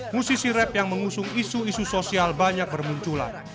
musisi rep yang mengusung isu isu sosial banyak bermunculan